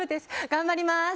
頑張ります。